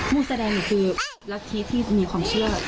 มูเสอดแดงนี่คือเกี๊ยรติแดนที่มีความเชื่อ